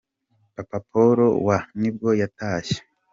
Papa Paul wa nibwo yatashye.